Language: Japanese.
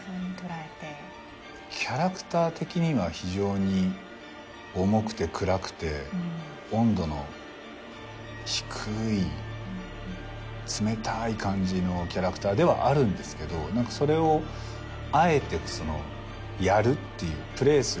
キャラクター的には非常に重くて暗くて温度の低い冷たい感じのキャラクターではあるんですけど何かそれをあえてやるっていうプレーするっていう。